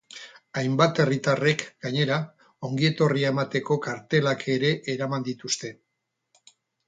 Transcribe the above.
Hainbat herritarrek, gainera, ongietorria emateko kartelak ere eraman dituzte.